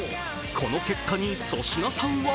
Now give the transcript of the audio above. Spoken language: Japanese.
この結果に粗品さんは